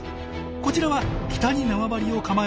こちらは北に縄張りを構える群れ。